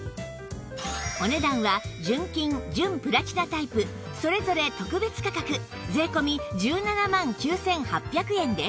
お値段は純金純プラチナタイプそれぞれ特別価格税込１７万９８００円です